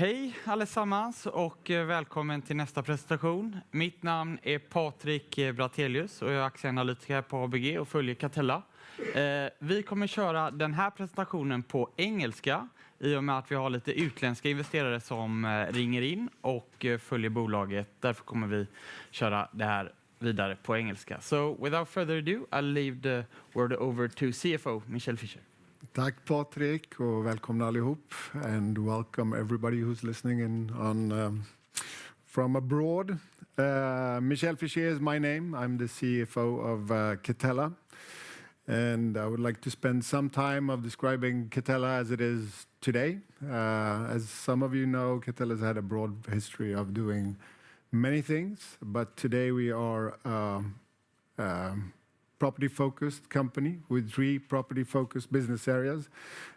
Hej allesammans och välkommen till nästa presentation. Mitt namn är Patrik Brattelius och jag är aktieanalytiker här på ABG och följer Catella. Vi kommer köra den här presentationen på engelska i och med att vi har lite utländska investerare som ringer in och följer bolaget. Därför kommer vi köra det här vidare på engelska. So, without further ado, I'll leave the word over to CFO Michel Fischier. Tack Patrik och välkomna allihop. Welcome everybody who's listening in from abroad. Michel Fischier is my name. I'm the CFO of Catella. I would like to spend some time describing Catella as it is today. As some of you know, Catella has had a broad history of doing many things. Today we are a property-focused company with three property-focused business areas.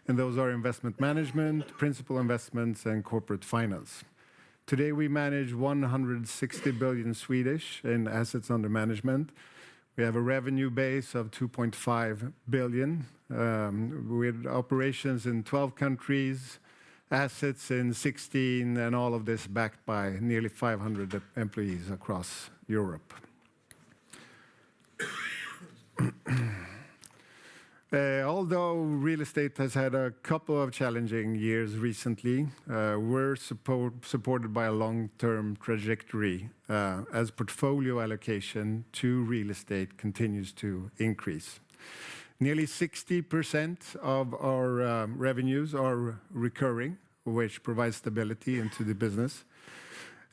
Those are Investment Management, Principal Investments, and Corporate Finance. Today we manage 160 billion in assets under management. We have a revenue base of 2.5 billion. We have operations in 12 countries, assets in 16, and all of this backed by nearly 500 employees across Europe. Although real estate has had a couple of challenging years recently, we're supported by a long-term trajectory as portfolio allocation to real estate continues to increase. Nearly 60% of our revenues are recurring, which provides stability into the business,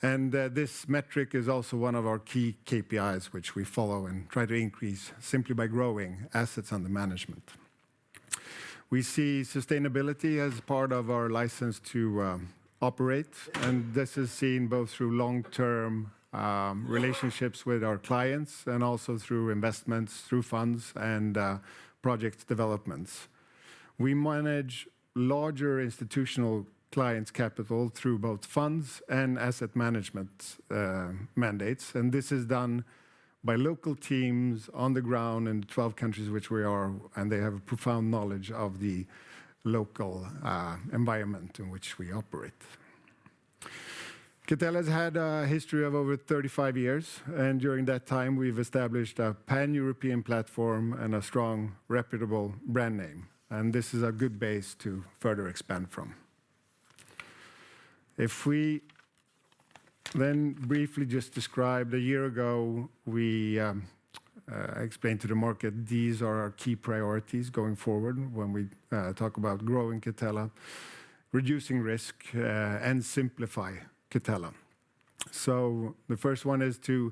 and this metric is also one of our key KPIs, which we follow and try to increase simply by growing assets under management. We see sustainability as part of our license to operate, and this is seen both through long-term relationships with our clients and also through investments, through funds and project developments. We manage larger institutional clients' capital through both funds and asset management mandates, and this is done by local teams on the ground in the 12 countries which we are, and they have a profound knowledge of the local environment in which we operate. Catella has had a history of over 35 years, and during that time, we've established a pan-European platform and a strong, reputable brand name, and this is a good base to further expand from. If we then briefly just describe a year ago, we explained to the market these are our key priorities going forward when we talk about growing Catella, reducing risk, and simplify Catella. So the first one is to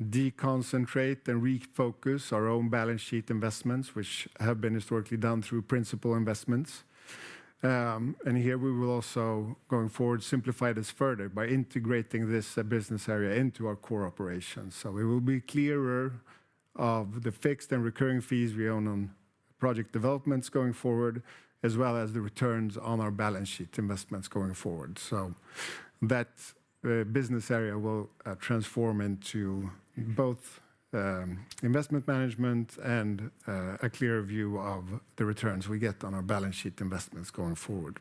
deconcentrate and refocus our own balance sheet investments, which have been historically done through Principal Investments. And here we will also, going forward, simplify this further by integrating this business area into our core operations. So we will be clearer of the fixed and recurring fees we own on project developments going forward, as well as the returns on our balance sheet investments going forward. So that business area will transform into both investment management and a clearer view of the returns we get on our balance sheet investments going forward.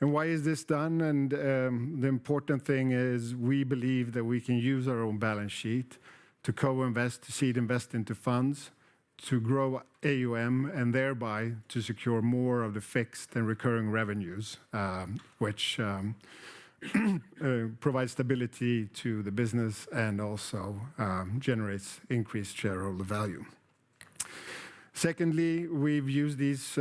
And why is this done? The important thing is we believe that we can use our own balance sheet to co-invest, to seed invest into funds, to grow AUM, and thereby to secure more of the fixed and recurring revenues, which provide stability to the business and also generate increased shareholder value. Secondly, we've used these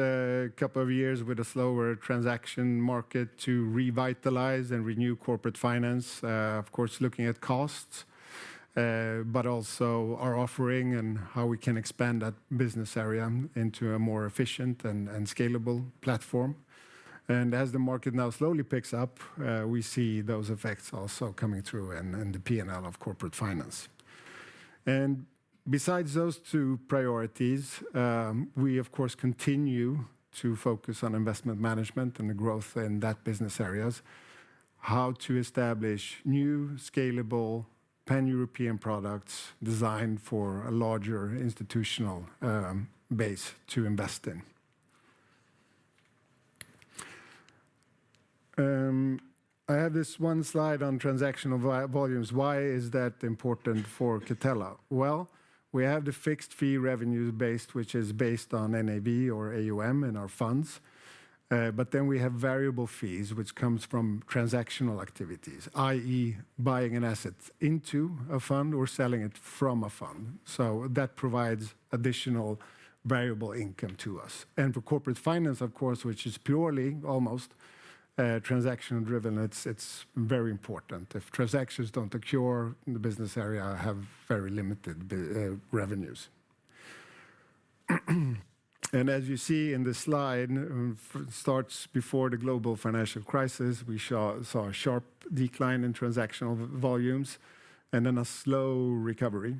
couple of years with a slower transaction market to revitalize and renew Corporate Finance, of course looking at costs, but also our offering and how we can expand that business area into a more efficient and scalable platform. As the market now slowly picks up, we see those effects also coming through in the P&L of Corporate Finance. Besides those two priorities, we of course continue to focus on Investment Management and the growth in that business areas, how to establish new scalable Pan-European products designed for a larger institutional base to invest in. I have this one slide on transactional volumes. Why is that important for Catella? Well, we have the fixed fee revenue base, which is based on NAV or AUM in our funds. But then we have variable fees, which comes from transactional activities, i.e., buying an asset into a fund or selling it from a fund. So that provides additional variable income to us. And for Corporate Finance, of course, which is purely almost transaction-driven, it's very important. If transactions don't occur, the business area has very limited revenues. And as you see in the slide, it starts before the global financial crisis. We saw a sharp decline in transactional volumes and then a slow recovery.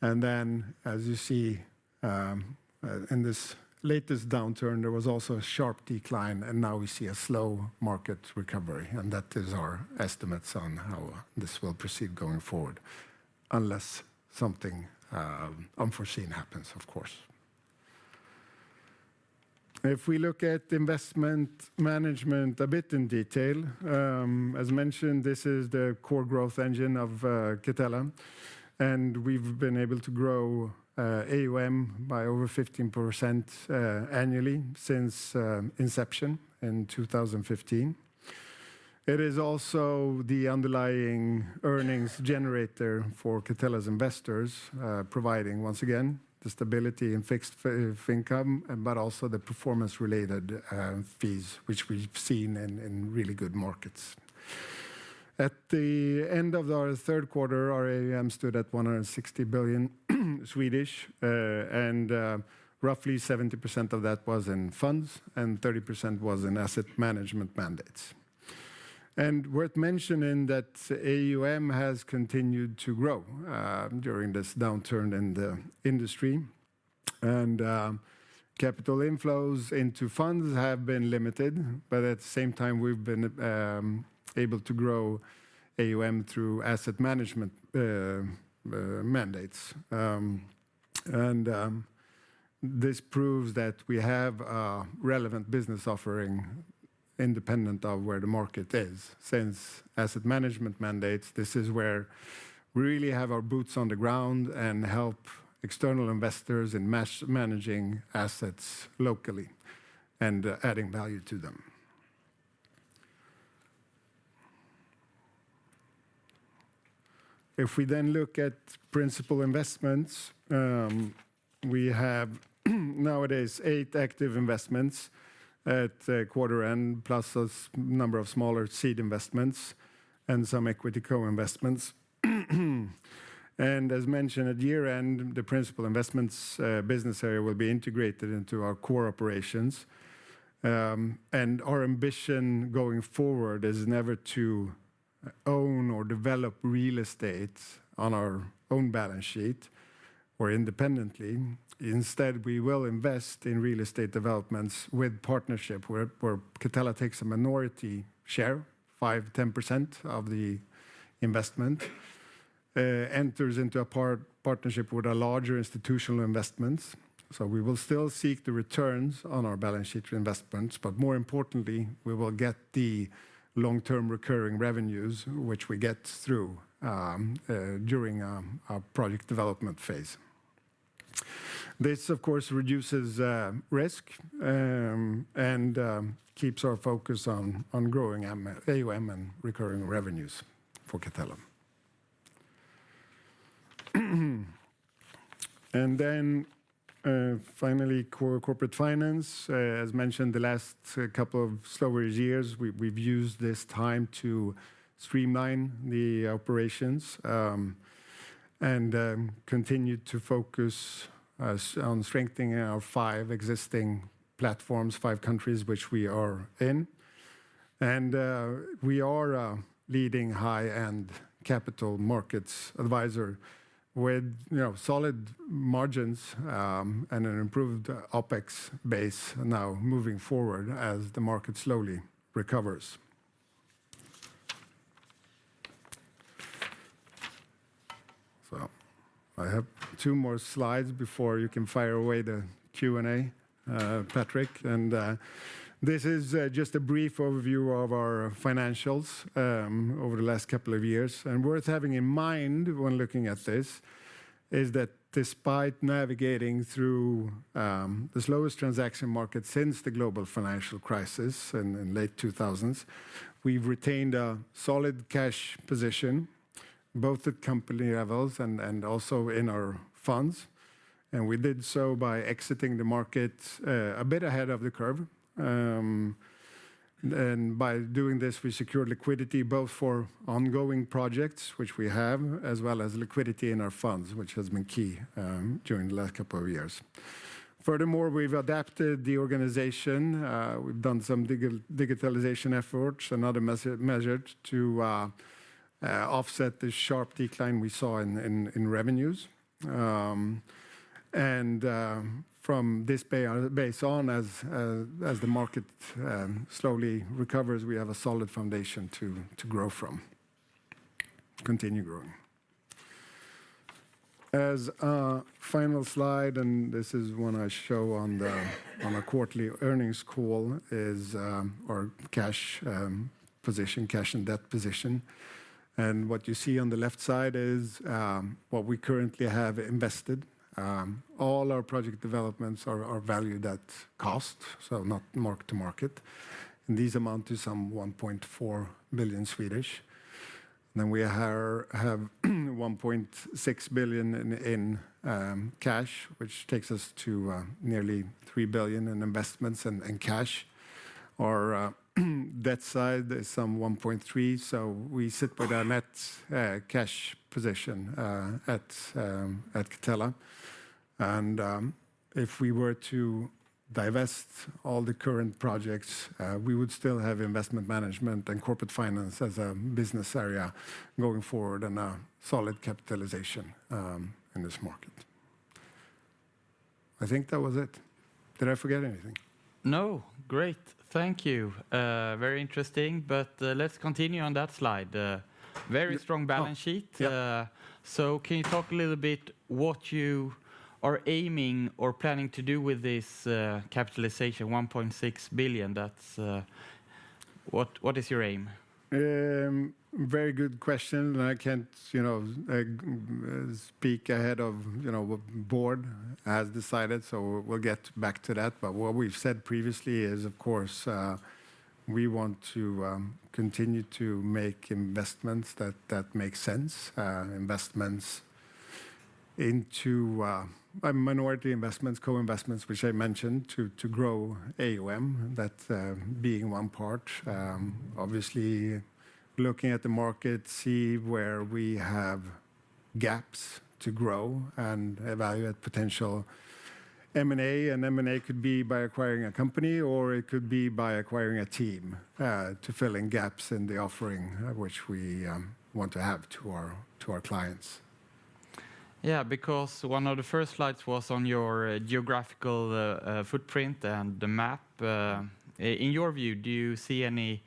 And then, as you see in this latest downturn, there was also a sharp decline, and now we see a slow market recovery. And that is our estimates on how this will proceed going forward, unless something unforeseen happens, of course. If we look at investment management a bit in detail, as mentioned, this is the core growth engine of Catella. And we've been able to grow AUM by over 15% annually since inception in 2015. It is also the underlying earnings generator for Catella's investors, providing once again the stability and fixed income, but also the performance-related fees, which we've seen in really good markets. At the end of our third quarter, our AUM stood at 160 billion, and roughly 70% of that was in funds and 30% was in asset management mandates. And worth mentioning that AUM has continued to grow during this downturn in the industry. And capital inflows into funds have been limited, but at the same time, we've been able to grow AUM through asset management mandates. And this proves that we have a relevant business offering independent of where the market is. Since asset management mandates, this is where we really have our boots on the ground and help external investors in managing assets locally and adding value to them. If we then look at Principal Investments, we have nowadays eight active investments at quarter-end plus a number of smaller seed investments and some equity co-investments. And as mentioned at year-end, the Principal Investments business area will be integrated into our core operations. And our ambition going forward is never to own or develop real estate on our own balance sheet or independently. Instead, we will invest in real estate developments with partnership where Catella takes a minority share, 5%-10% of the investment, enters into a partnership with our larger institutional investments. So we will still seek the returns on our balance sheet investments, but more importantly, we will get the long-term recurring revenues, which we get through during our project development phase. This, of course, reduces risk and keeps our focus on growing AUM and recurring revenues for Catella. And then finally, core Corporate Finance. As mentioned, the last couple of slower years, we've used this time to streamline the operations and continue to focus on strengthening our five existing platforms, five countries which we are in. And we are a leading high-end capital markets advisor with solid margins and an improved OpEx base now moving forward as the market slowly recovers. So I have two more slides before you can fire away the Q&A, Patrik. And this is just a brief overview of our financials over the last couple of years. Worth having in mind when looking at this is that despite navigating through the slowest transaction market since the global financial crisis in the late 2000s, we've retained a solid cash position both at company levels and also in our funds. We did so by exiting the market a bit ahead of the curve. By doing this, we secured liquidity both for ongoing projects, which we have, as well as liquidity in our funds, which has been key during the last couple of years. Furthermore, we've adapted the organization. We've done some digitalization efforts and other measures to offset the sharp decline we saw in revenues. From this base on, as the market slowly recovers, we have a solid foundation to grow from, continue growing. As a final slide, and this is one I show on a quarterly earnings call, is our cash position, cash and debt position. And what you see on the left side is what we currently have invested. All our project developments are valued at cost, so not mark to market. And these amount to some 1.4 billion. Then we have 1.6 billion in cash, which takes us to nearly 3 billion in investments and cash. Our debt side is some 1.3 billion. So we sit with our net cash position at Catella. And if we were to divest all the current projects, we would still have investment management and Corporate Finance as a business area going forward and a solid capitalization in this market. I think that was it. Did I forget anything? No, great. Thank you. Very interesting. But let's continue on that slide. Very strong balance sheet. So can you talk a little bit what you are aiming or planning to do with this capitalization, 1.6 billion? What is your aim? Very good question. I can't speak ahead of what the board has decided, so we'll get back to that. But what we've said previously is, of course, we want to continue to make investments that make sense, investments into minority investments, co-investments, which I mentioned to grow AUM, that being one part. Obviously, looking at the market, see where we have gaps to grow and evaluate potential M&A. And M&A could be by acquiring a company, or it could be by acquiring a team to fill in gaps in the offering which we want to have to our clients. Yeah, because one of the first slides was on your geographical footprint and the map. In your view, do you see any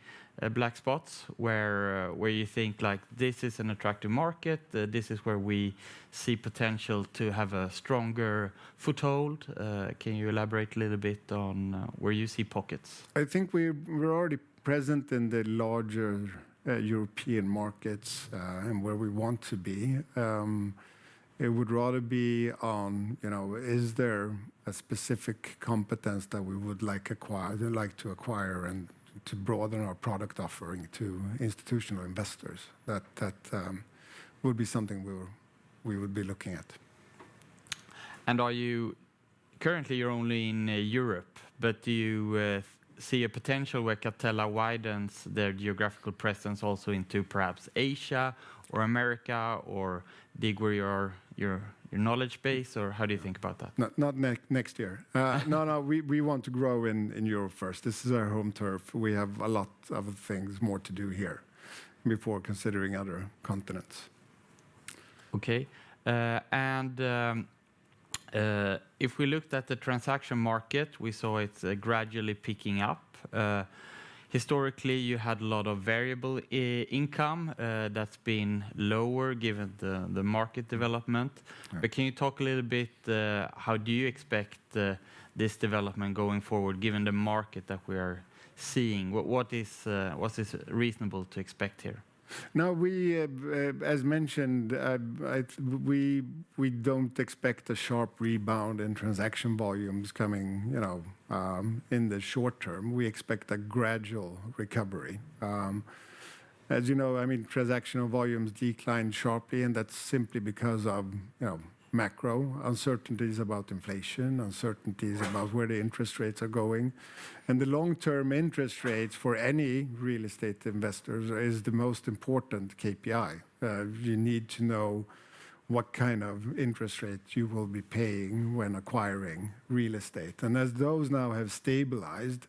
black spots where you think, like, this is an attractive market, this is where we see potential to have a stronger foothold? Can you elaborate a little bit on where you see pockets? I think we're already present in the larger European markets and where we want to be. It would rather be on, is there a specific competence that we would like to acquire and to broaden our product offering to institutional investors? That would be something we would be looking at. And currently, you're only in Europe, but do you see a potential where Catella widens their geographical presence also into perhaps Asia or America or other where your knowledge base? Or how do you think about that? Not next year. No, no, we want to grow in Europe first. This is our home turf. We have a lot of things more to do here before considering other continents. Okay, and if we looked at the transaction market, we saw it gradually picking up. Historically, you had a lot of variable income that's been lower given the market development, but can you talk a little bit, how do you expect this development going forward given the market that we are seeing? What is reasonable to expect here? Now, as mentioned, we don't expect a sharp rebound in transaction volumes coming in the short-term. We expect a gradual recovery. As you know, I mean, transactional volumes decline sharply, and that's simply because of macro uncertainties about inflation, uncertainties about where the interest rates are going, and the long-term interest rates for any real estate investors is the most important KPI. You need to know what kind of interest rate you will be paying when acquiring real estate. And as those now have stabilized,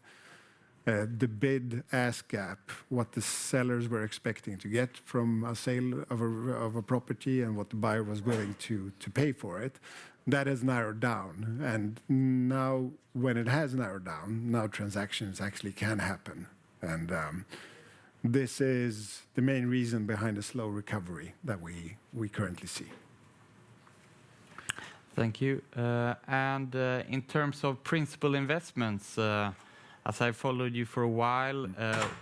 the bid-ask gap, what the sellers were expecting to get from a sale of a property and what the buyer was willing to pay for it, that has narrowed down. And now, when it has narrowed down, now transactions actually can happen. And this is the main reason behind the slow recovery that we currently see. Thank you. And in terms of Principal Investments, as I followed you for a while,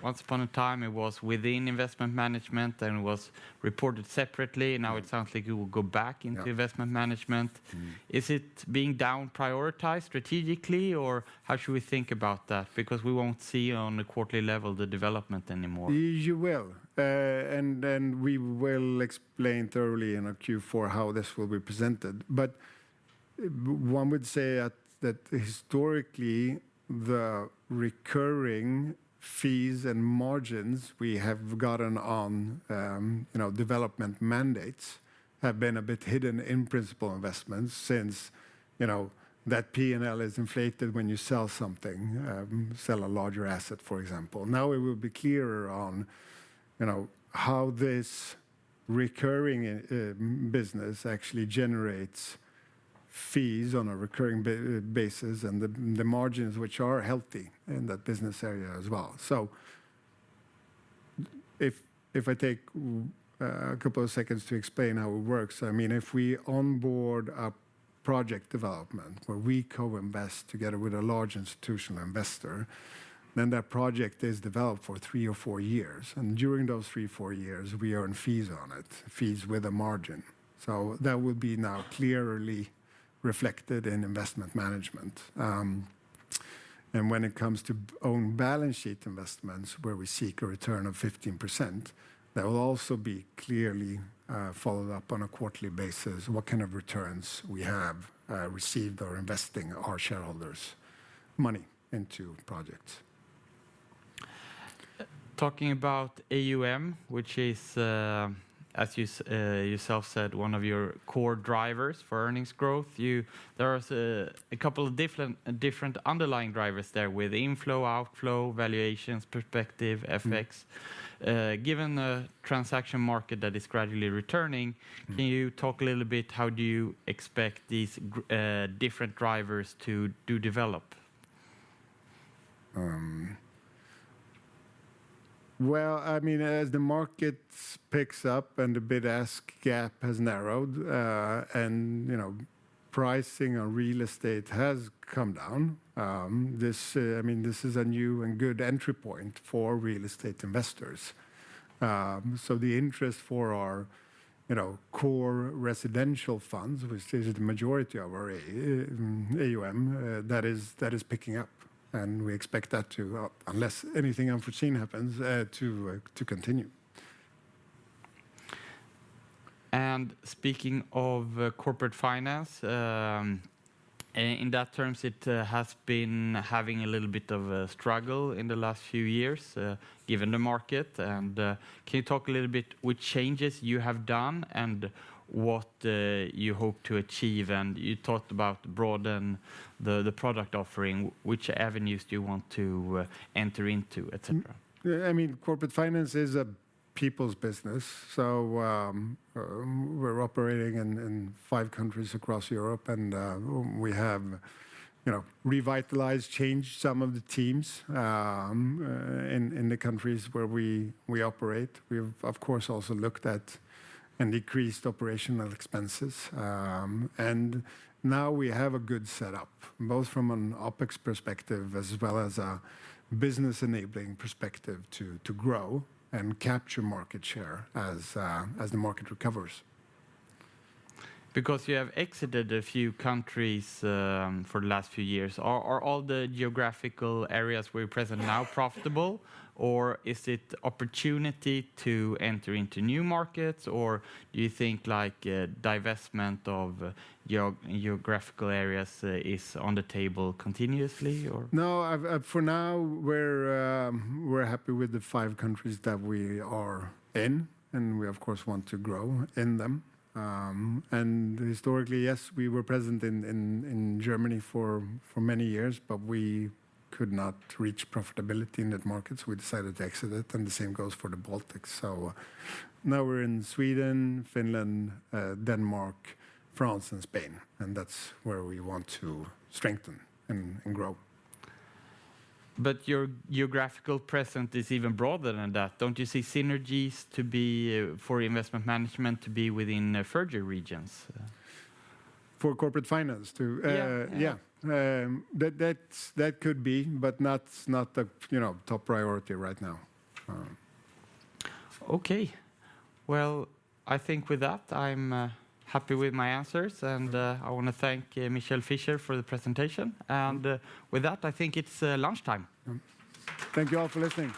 once upon a time, it was within investment management and it was reported separately. Now it sounds like you will go back into investment management. Is it being downprioritized strategically, or how should we think about that? Because we won't see on a quarterly level the development anymore. You will. And then we will explain thoroughly in Q4 how this will be presented. But one would say that historically, the recurring fees and margins we have gotten on development mandates have been a bit hidden in Principal Investments since that P&L is inflated when you sell something, sell a larger asset, for example. Now it will be clearer on how this recurring business actually generates fees on a recurring basis and the margins, which are healthy in that business area as well. So if I take a couple of seconds to explain how it works, I mean, if we onboard a project development where we co-invest together with a large institutional investor, then that project is developed for three or four years. And during those three or four years, we earn fees on it, fees with a margin. So that will be now clearly reflected in investment management. And when it comes to own balance sheet investments where we seek a return of 15%, that will also be clearly followed up on a quarterly basis. What kind of returns we have received or investing our shareholders' money into projects. Talking about AUM, which is, as you yourself said, one of your core drivers for earnings growth, there are a couple of different underlying drivers there with inflow, outflow, valuations, perspective, effects. Given the transaction market that is gradually returning, can you talk a little bit how do you expect these different drivers to develop? Well, I mean, as the market picks up and the bid-ask gap has narrowed and pricing on real estate has come down, I mean, this is a new and good entry point for real estate investors. So the interest for our core residential funds, which is the majority of our AUM, that is picking up. And we expect that to, unless anything unforeseen happens, to continue. And speaking of Corporate Finance, in that terms, it has been having a little bit of a struggle in the last few years given the market. And can you talk a little bit which changes you have done and what you hope to achieve? And you talked about broaden the product offering, which avenues do you want to enter into, etc.? I mean, Corporate Finance is a people's business. So we're operating in five countries across Europe, and we have revitalized, changed some of the teams in the countries where we operate. We've, of course, also looked at and decreased operational expenses. And now we have a good setup, both from an OpEx perspective as well as a business-enabling perspective to grow and capture market share as the market recovers. Because you have exited a few countries for the last few years, are all the geographical areas where you're present now profitable, or is it opportunity to enter into new markets, or do you think divestment of geographical areas is on the table continuously? No, for now, we're happy with the five countries that we are in, and we, of course, want to grow in them. And historically, yes, we were present in Germany for many years, but we could not reach profitability in that market, so we decided to exit it. And the same goes for the Baltics. So now we're in Sweden, Finland, Denmark, France, and Spain. And that's where we want to strengthen and grow. But your geographical presence is even broader than that. Don't you see synergies for investment management to be within further regions? For Corporate Finance, too? Yeah. Yeah. That could be, but not the top priority right now. Okay. Well, I think with that, I'm happy with my answers. And I want to thank Michel Fischier for the presentation. And with that, I think it's lunchtime. Thank you all for listening.